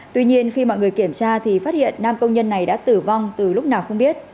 tuy nhiên khi mọi người kiểm tra thì phát hiện nam công nhân này đã tử vong từ lúc nào không biết